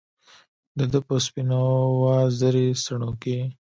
دده په سپینواوزري څڼوکې